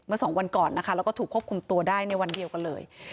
สองวันก่อนนะคะแล้วก็ถูกควบคุมตัวได้ในวันเดียวกันเลย